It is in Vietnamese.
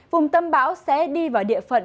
vùng tâm báo sẽ đi vào địa phận